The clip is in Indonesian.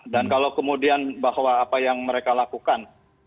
dan kalau kemudian bahwa apa yang mereka lakukan